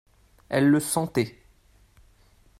Elle le sentait.